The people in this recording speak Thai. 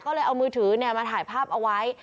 ก็เลยเอามือถือมาถ่ายภาพเอาไว้